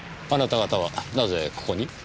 あなた方はなぜここに？